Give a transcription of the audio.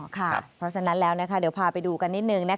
เพราะฉะนั้นแล้วเดี๋ยวพาไปดูกันนิดนึง